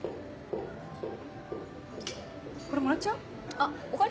これもらっちゃう？